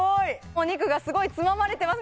お肉がすごいつままれてます